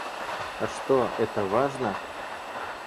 А что, это важно?